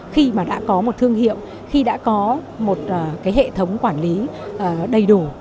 khi mà đã có một thương hiệu khi đã có một hệ thống quản lý đầy đủ